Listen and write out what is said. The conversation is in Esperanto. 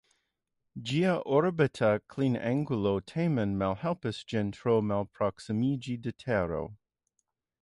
Ĝia orbita klinangulo tamen malhelpas ĝin tro proksimiĝi de Tero.